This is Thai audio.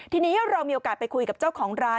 ทีนี้เรามีโอกาสไปคุยกับเจ้าของร้าน